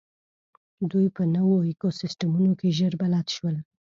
دوی په نوو ایکوسېسټمونو کې ژر بلد شول.